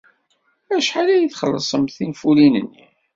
Acḥal ay txellṣemt tinfulin-nni?